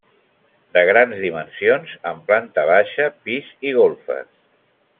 De grans dimensions, amb planta baixa, pis i golfes.